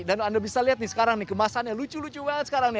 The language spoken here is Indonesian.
dan anda bisa lihat nih sekarang nih kemasannya lucu lucu banget sekarang nih